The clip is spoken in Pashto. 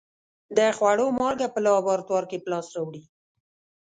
د خوړو مالګه په لابراتوار کې په لاس راوړي.